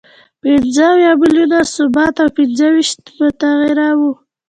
پنځه اویا میلیونه ثابته او پنځه ویشت متغیره وه